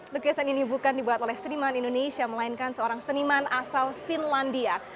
lukisan ini bukan dibuat oleh seniman indonesia melainkan seorang seniman asal finlandia